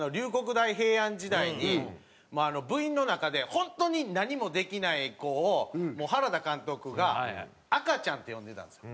大平安時代に部員の中で本当に何もできない子を原田監督が「赤ちゃん」って呼んでたんですよ。